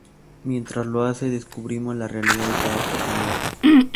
Mientras lo hace descubrimos la realidad de cada personaje.